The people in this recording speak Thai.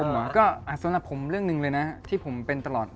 ก็สำหรับผมเรื่องหนึ่งเลยนะที่ผมเป็นตลอด